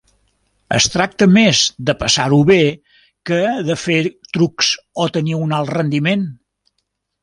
Es tracta més de passar-ho bé que de fer trucs o tenir un alt rendiment.